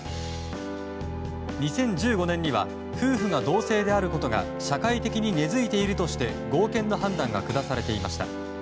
２０１５年には夫婦が同姓であることが社会的に根付いているとして合憲の判断が下されていました。